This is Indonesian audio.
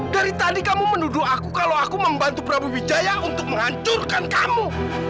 dari tadi kamu nuduh aku kalau aku membantu prabu wijaya untuk menghancurkan kamu